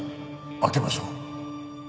開けましょう